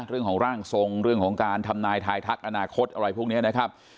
เรื่องของร่างทรงเรื่องของการทำนายทายทักอนาคตอะไรพวกนี้นะครับ